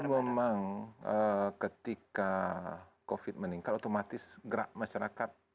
jadi memang ketika covid meningkat otomatis gerak masyarakat